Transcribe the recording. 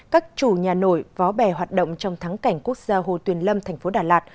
các chủ nhà nổi vó bè hoạt động trong thắng cảnh quốc gia hồ tuyền lâm thành phố đà lạt